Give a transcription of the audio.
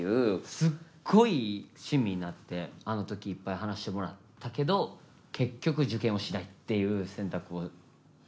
すっごい親身になってあの時いっぱい話してもらったけど結局受験をしないっていう選択をしたんですよね。